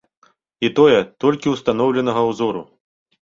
І тое, толькі устаноўленага ўзору.